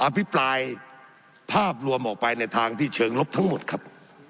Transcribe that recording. พิปรายภาพรวมออกไปในทางที่เชิงลบทั้งหมดครับ